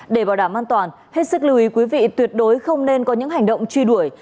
để bảo đảm an toàn hết sức lưu ý quý vị tuyệt đối không nên có những hành động truy đuổi